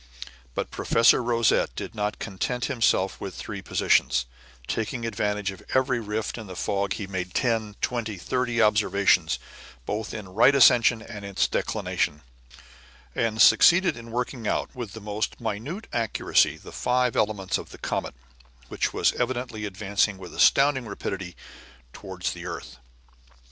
But Professor Rosette did not content himself with three positions; taking advantage of every rift in the fog he made ten, twenty, thirty observations both in right ascension and in declination, and succeeded in working out with the most minute accuracy the five elements of the comet which was evidently advancing with astounding rapidity towards the earth.